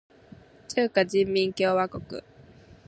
中華人民共和国